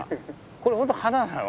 これ本当花なの？